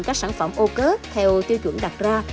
các sản phẩm ô cớp theo tiêu chuẩn đặt ra